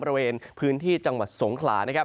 บริเวณพื้นที่จังหวัดสงขลา